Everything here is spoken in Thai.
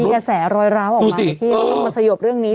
มีกระแสรอยร้าวออกมาที่สะโยบเรื่องนี้